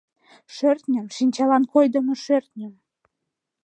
Шӧртньым, шинчалан койдымо шӧртньым...